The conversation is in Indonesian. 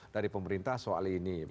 dari pemerintah soal ini